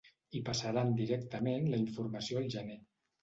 I passaran directament la informació al gener.